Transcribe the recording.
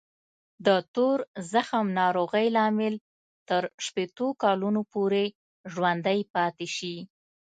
د تور زخم ناروغۍ لامل تر شپېتو کلونو پورې ژوندی پاتې شي.